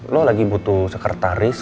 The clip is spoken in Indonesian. lu lagi butuh sekretaris